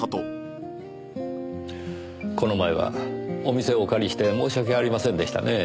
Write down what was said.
この前はお店をお借りして申し訳ありませんでしたねぇ。